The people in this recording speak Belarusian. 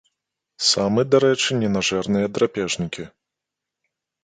Самы, дарэчы, ненажэрныя драпежнікі.